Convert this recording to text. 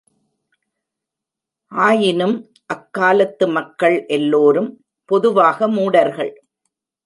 ஆயினும் அக்காலத்து மக்கள் எல்லோரும் பொதுவாக மூடர்கள்.